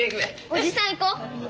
おじさん行こう。